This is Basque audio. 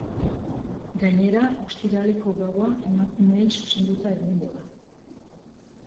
Gainera, ostiraleko gaua emakumeei zuzenduta egongo da.